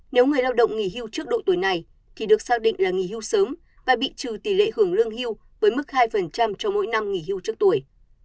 nếu người lao động nghỉ hưu trước độ tuổi này thì được xác định là nghỉ hưu sớm và bị trừ tỷ lệ hưởng lương hưu với mức hai cho mỗi năm nghỉ hưu trước tuổi